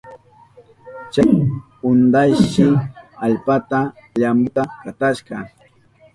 Chay untayshi allpata llamputa katashka.